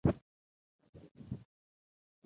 د قلم څوکې جوړوي او درومې